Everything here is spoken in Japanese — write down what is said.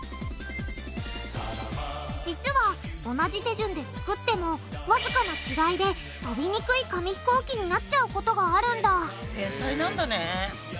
実は同じ手順で作ってもわずかな違いで飛びにくい紙ひこうきになっちゃうことがあるんだ繊細なんだね。